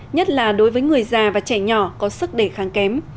nhất là đối với người già và trẻ nhỏ có sức đề kháng kém